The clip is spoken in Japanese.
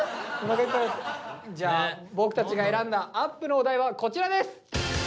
じゃあ僕たちが選んだ「ＵＰ」のお題はこちらです！